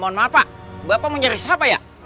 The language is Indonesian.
mohon maaf pak bapak mau nyari siapa ya